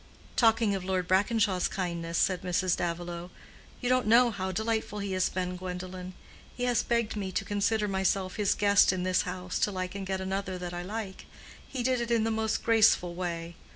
"Talking of Lord Brackenshaw's kindness," said Mrs. Davilow, "you don't know how delightful he has been, Gwendolen. He has begged me to consider myself his guest in this house till I can get another that I like—he did it in the most graceful way.